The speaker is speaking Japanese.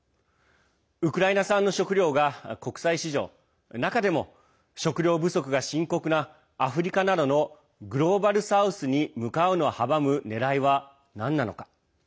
ウクライナ産の食料が国際市場中でも食料不足が深刻なアフリカなどのグローバル・サウスに向かうのを阻むねらいは何なのか。